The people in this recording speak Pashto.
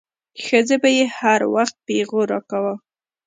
ښځې به يې هر وخت پيغور راکاوه.